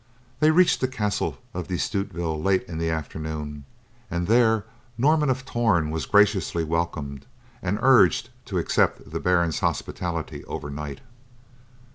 They reached the castle of De Stutevill late in the afternoon, and there, Norman of Torn was graciously welcomed and urged to accept the Baron's hospitality overnight.